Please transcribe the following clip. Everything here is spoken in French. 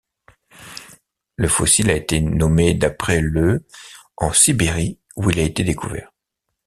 Le fossile a été nommé d'après le en Sibérie où il a été découvert.